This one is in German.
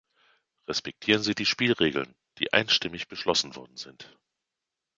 Respektieren Sie die Spielregeln, die einstimmig beschlossen worden sind!